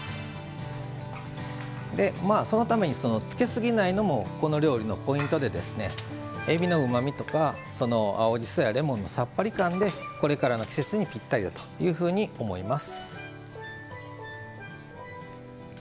そのためにつけすぎないのもこの料理のポイントでえびのうまみとか青じそやレモンのさっぱり感でこれからの季節にぴったりだというふうに思います。